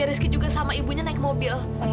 dia ngejar rizky juga sama ibunya naik mobil